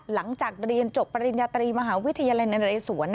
หลังจากเรียนจบปริญญาตรีมหาวิทยาลัยนเรศวร